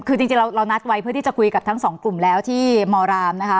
คือจริงเรานัดไว้เพื่อที่จะคุยกับทั้งสองกลุ่มแล้วที่มรามนะคะ